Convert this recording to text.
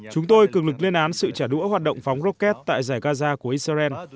chúng tôi cực lực lên án sự trả đũa hoạt động phóng rocket tại giải gaza của israel